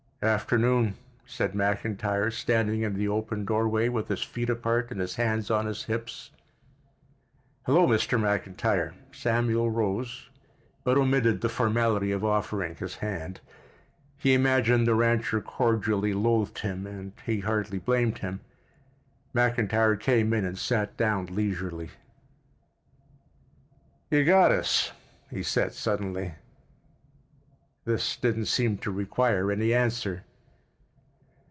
"Afternoon," said McIntyre, standing in the open doorway, with his feet apart and his hands on his hips. "Hello, Mr. McIntyre." Samuel rose, but omitted the formality of offering his hand. He imagined the rancher cordially loathed him, and he hardly blamed him. McIntyre came in and sat down leisurely. "You got us," he said suddenly. This didn't seem to require any answer.